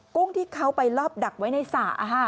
กุ้งที่เขาไปรอบดักไว้ในสระ